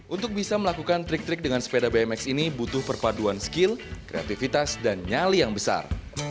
untuk bisa melakukan trik trik dengan sepeda bmx ini butuh perpaduan skill kreativitas dan nyali yang besar